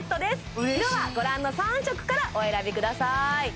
嬉しい色はご覧の３色からお選びください